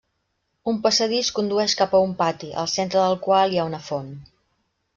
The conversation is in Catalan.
Un passadís condueix cap a un pati, al centre del qual hi ha una font.